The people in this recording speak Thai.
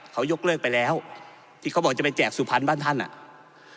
เขายกเลิกไปแล้วที่เขาบอกจะไปแจกสุพรรณบ้านท่านอ่ะ